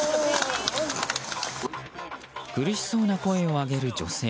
苦しそうな声を上げる女性。